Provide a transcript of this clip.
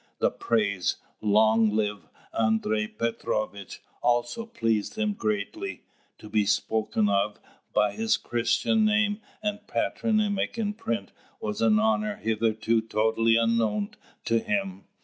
The praise, "Long live Andrei Petrovitch," also pleased him greatly: to be spoken of by his Christian name and patronymic in print was an honour hitherto totally unknown to him.